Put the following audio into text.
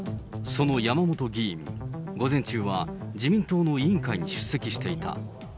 その山本議員、午前中は自民党の委員会に出席していた。